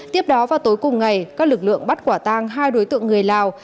tiếp đó vào tối cùng ngày các lực lượng bắt quả tang hai đối tượng người lào